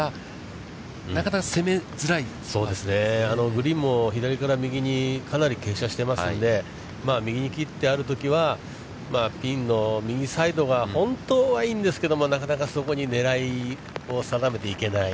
グリーンも左から右にかなり傾斜していますので、右に切ってあるときはピンの右サイドが本当はいいんですけども、なかなかそこに狙いを定めていけない。